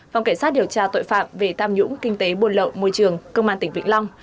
phòng cảnh sát điều tra tội phạm về tam nhũng kinh tế buôn lậu môi trường công an tỉnh vĩnh long